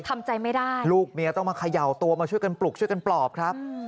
ทำใจไม่ได้ลูกเมียต้องมาเขย่าตัวมาช่วยกันปลุกช่วยกันปลอบครับ